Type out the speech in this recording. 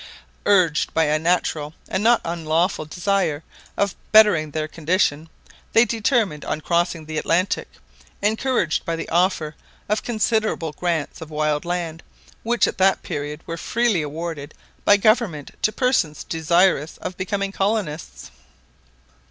"Urged by a natural and not unlawful desire of bettering their condition, they determined on crossing the Atlantic, encouraged by the offer of considerable grants of wild land, which at that period were freely awarded by Government to persons desirous of becoming colonists.